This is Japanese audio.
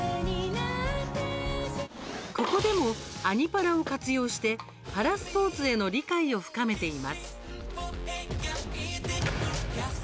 ここでも「アニ×パラ」を活用して、パラスポーツへの理解を深めています。